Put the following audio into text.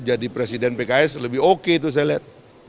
jadi presiden pks lebih oke itu saya lihat